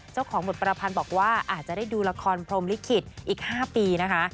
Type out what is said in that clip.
เจ้าของบทประพันธ์บอกว่าอาจจะได้ดูละครพรมลิขิตอีก๕ปีนะคะ